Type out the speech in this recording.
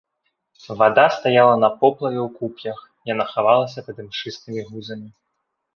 Вада стаяла на поплаве ў куп'ях, яна хавалася пад імшыстымі гузамі.